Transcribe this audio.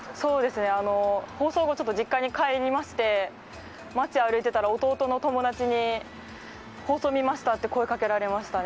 放送後、実家に帰りまして街を歩いていたら弟の友達に放送を見ましたと声をかけられましたね。